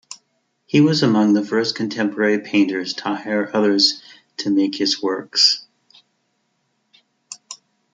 He was among the first contemporary painters to hire others to make his works.